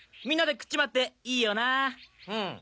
みんなで食っちまっていいよなー？